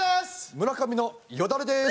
村上のよだれです！